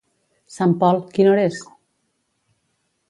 Sant Pol, quina hora és?